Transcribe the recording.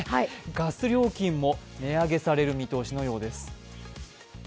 ガス料金も値上げされる見通しのようです。